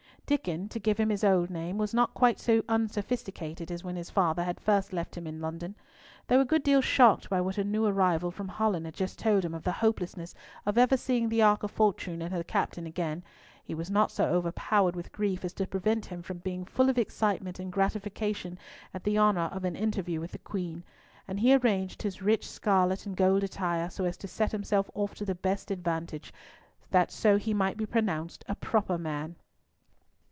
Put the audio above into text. Diccon, to give him his old name, was not quite so unsophisticated as when his father had first left him in London. Though a good deal shocked by what a new arrival from Holland had just told him of the hopelessness of ever seeing the Ark of Fortune and her captain again, he was not so overpowered with grief as to prevent him from being full of excitement and gratification at the honour of an interview with the Queen, and he arranged his rich scarlet and gold attire so as to set himself off to the best advantage, that so he might be pronounced "a proper man."